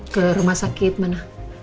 ke rumah sakit mana